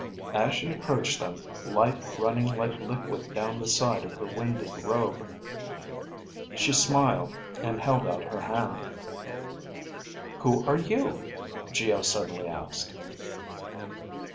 As she approached them, light running like liquid down the side of her winded robe, she smiled and held out her hand. "Who are you?" Geo suddenly asked.